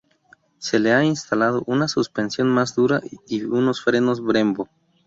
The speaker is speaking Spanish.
Se le ha instalado una suspensión más dura y unos frenos Brembo.